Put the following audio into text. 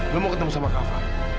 lo mau ketemu sama kafa